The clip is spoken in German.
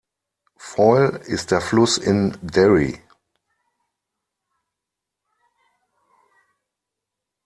Foyle ist der Fluss in Derry.